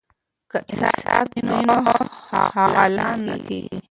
که انصاف وي نو غلا نه کیږي.